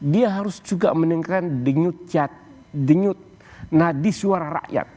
dia harus juga meningkatkan denyut nadi suara rakyat